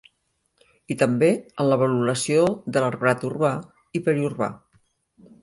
I també en la valoració de l'arbrat urbà i periurbà.